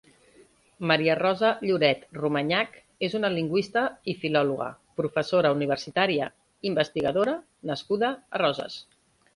Maria Rosa Lloret Romañach és una lingüista i filòloga, professora universitària, investigadora nascuda a Roses.